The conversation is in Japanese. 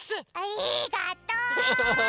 ありがとう！